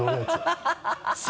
ハハハ